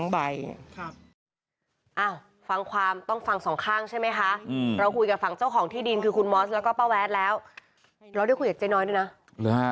หรืออะไร